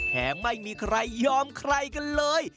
ไม่มีใครยอมใครกันเลย